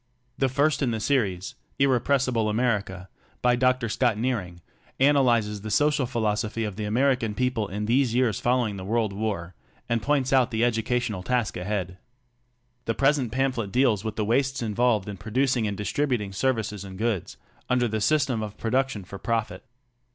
The first in the series, "Irrepressible America," by Dr. Scott Nearing, analyzes the social philosophy of the American people in these years follow ing the world war and points out the educational task ahead. The present pamphlet deals with the wastes involved in producing and distributing services and goods under the system of production for profit.